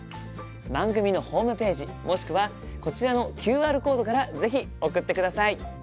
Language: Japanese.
番組のホームページもしくはこちらのＱＲコードから是非送ってください。